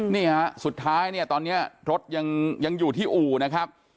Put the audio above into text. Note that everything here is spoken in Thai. นี่ฮะสุดท้ายเนี่ยตอนนี้รถยังอยู่ที่อู่นะครับ